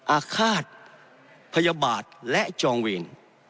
อาฆาตพยาบาทและจองเวร